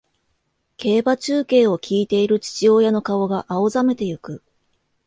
競馬中継を聞いている父親の顔が青ざめていく